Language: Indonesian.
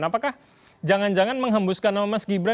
apakah jangan jangan menghembuskan nama mas gibran